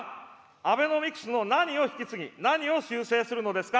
アベノミクスの何を引き継ぎ、何を修正するのですか。